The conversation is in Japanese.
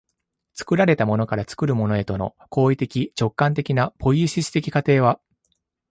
作られたものから作るものへとの行為的直観的なポイエシス的過程は